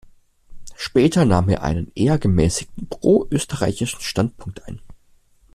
Später nahm er einen eher gemäßigten pro-österreichischen Standpunkt ein.